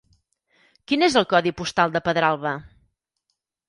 Quin és el codi postal de Pedralba?